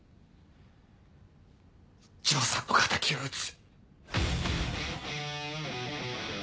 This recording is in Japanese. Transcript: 丈さんの敵を討つ。